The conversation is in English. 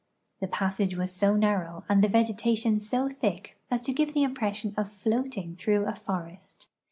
The pa.ssage was so narrow and the vegetation so thick as to give the impression of floating through a forest.